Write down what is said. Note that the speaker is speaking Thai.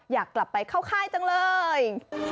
อยากกลับไปเข้าค่ายจังเลย